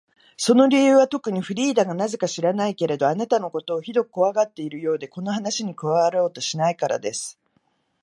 その理由はとくに、フリーダがなぜか知らないけれど、あなたのことをひどくこわがっているようで、この話に加わろうとしないからです。